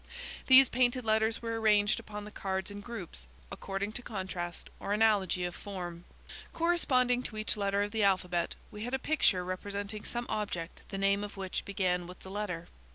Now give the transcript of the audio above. These painted letters were arranged upon the cards in groups, according to contrast, or analogy of form. Corresponding to each letter of the alphabet, we had a picture representing some object the name of which began with the letter.